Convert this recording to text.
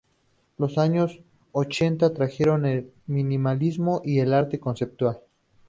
Los años ochenta trajeron el minimalismo y el arte conceptual.